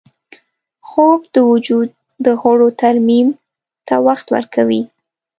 خوب د وجود د غړو ترمیم ته وخت ورکوي